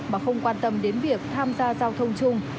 mà không quan tâm đến việc tham gia giao thông chung